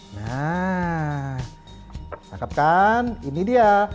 nah cakep kan ini dia